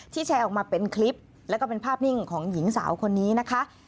แชร์ออกมาเป็นคลิปแล้วก็เป็นภาพนิ่งของหญิงสาวคนนี้นะคะ